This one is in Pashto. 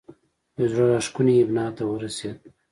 یوه زړه راښکونې ابنا ته ورسېد.